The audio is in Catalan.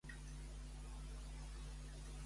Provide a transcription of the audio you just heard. Llarena resol que no poden prendre possessió.